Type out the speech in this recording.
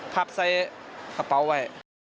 ขับใส่กระเป๋าไว้